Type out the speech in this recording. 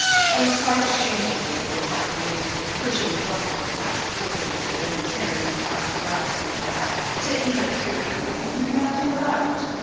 I was quite ashamed of you this afternoon, pushing roughly past older people, and tear ing across the grass like that, to interfere with what you knew nothing about.